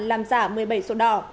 làm giả một mươi bảy sổ đỏ